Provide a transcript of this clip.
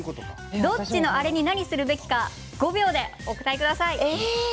どっちのあれに何するべきか５秒でお答えください。